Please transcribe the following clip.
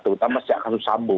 terutama sejak kasus sambo